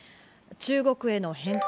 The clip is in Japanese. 中国への返還